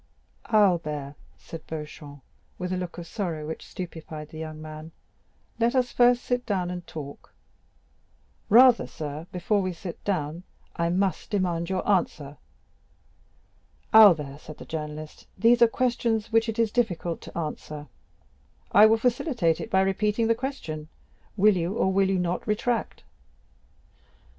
"Albert," said Beauchamp, with a look of sorrow which stupefied the young man, "let us first sit down and talk." "Rather, sir, before we sit down, I must demand your answer." "Albert," said the journalist, "these are questions which it is difficult to answer." "I will facilitate it by repeating the question, 'Will you, or will you not, retract?